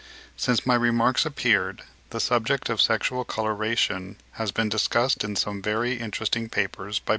Since my remarks appeared, the subject of sexual coloration has been discussed in some very interesting papers by Mr. Wallace (2.